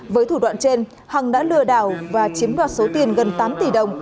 với thủ đoạn trên hằng đã lừa đảo và chiếm đoạt số tiền gần tám tỷ đồng